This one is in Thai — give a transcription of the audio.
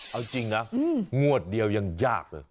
เอาจริงนะงวดเดียวยังยากเลย